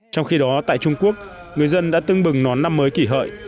trong khi đó tại trung quốc người dân đã tưng bừng nón năm mới kỷ hợi